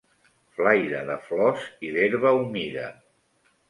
Flaira de flors i d'herba humida